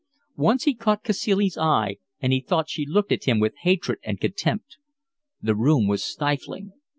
Once he caught Cacilie's eye, and he thought she looked at him with hatred and contempt. The room was stifling.